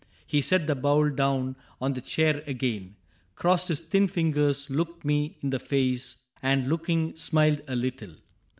He set the bowl down on the chair again. Crossed his thin fingers, looked me in the face, And looking smiled a little.